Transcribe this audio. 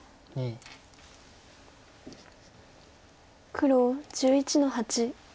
黒１１の八。